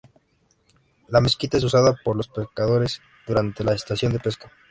La mezquita es usada por los pescadores durante la estación de pesca.